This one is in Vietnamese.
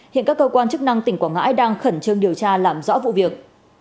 hiện các cơ quan chức năng tỉnh quảng ngãi đang khẩn trương điều tra làm rõ vụ việc